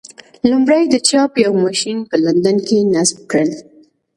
لومړی د چاپ یو ماشین په لندن کې نصب کړل.